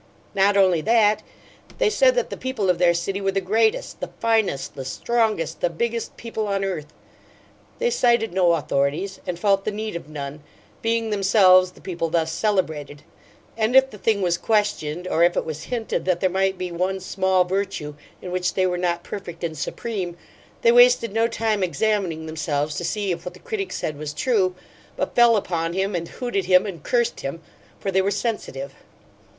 Not only that, they said that the people of their city were the greatest, the "finest," the strongest, the Biggest people on earth. They cited no authorities, and felt the need of none, being themselves the people thus celebrated. And if the thing was questioned, or if it was hinted that there might be one small virtue in which they were not perfect and supreme, they wasted no time examining themselves to see if what the critic said was true, but fell upon him and hooted him and cursed him, for they were sensitive.